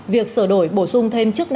việc sửa đổi bổ sung thêm chứng minh